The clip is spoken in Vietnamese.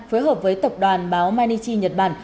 phối hợp với tập đoàn báo manichi nhật bản